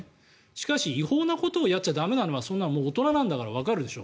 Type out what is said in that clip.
しかし、違法なことをやっちゃ駄目なのはそんなの大人だからわかるでしょ。